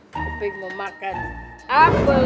kopi mau makan apel